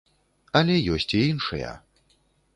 Але ёсць і іншыя.